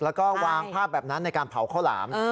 แล้วก็วางภาพแบบนั้นในการเผาข้าวหลาม